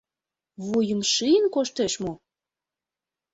— Вуйым шийын коштеш мо?